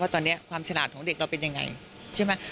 ตอนนี้ความฉลาดของเด็กเราเป็นยังไงใช่ไหม